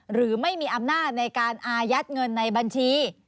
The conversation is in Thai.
หรือไม่มีอำนาจในการอายัดเงินในบัญชี